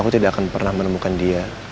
aku tidak akan pernah menemukan dia